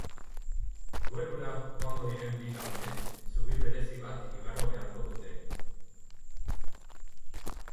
Duelura joango diren bi lagunek zubi berezi bat igaro beharko dute.